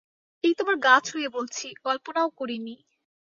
এই তোমার গা ছুঁয়ে বলছি, কল্পনাও করি নি।